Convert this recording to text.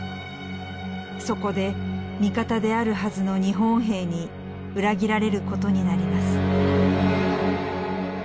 そこで味方であるはずの日本兵に裏切られることになります。